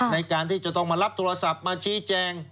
ในการที่จะต้องมารับโทรศัพท์มาชี้แจง